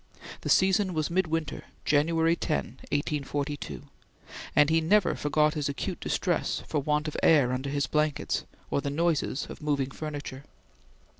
The season was midwinter, January 10, 1842, and he never forgot his acute distress for want of air under his blankets, or the noises of moving furniture.